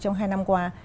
trong hai năm qua